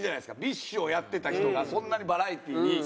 ＢｉＳＨをやってた人がそんなにバラエティーに。